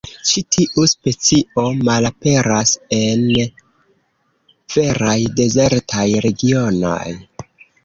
Ĉi tiu specio malaperas en veraj dezertaj regionoj.